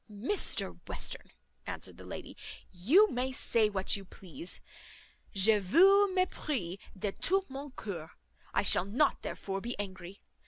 "Mr Western," answered the lady, "you may say what you please, je vous mesprise de tout mon coeur. I shall not therefore be angry.